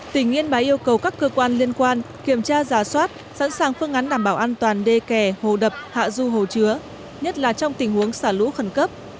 tỉnh yên bái yêu cầu các cơ quan liên quan kiểm tra giả soát sẵn sàng phương án đảm bảo an toàn đê kè hồ đập hạ du hồ chứa nhất là trong tình huống xả lũ khẩn cấp